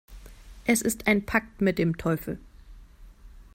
Es ist ein Pakt mit dem Teufel.